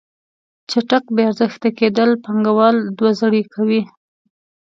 چټک بې ارزښته کیدل پانګوال دوه زړې کوي.